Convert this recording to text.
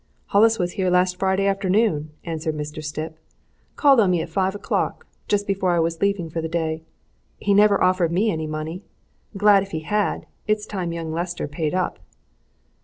"Hollis was here last Friday afternoon," answered Mr. Stipp. "Called on me at five o'clock just before I was leaving for the day. He never offered me any money! Glad if he had it's time young Lester paid up."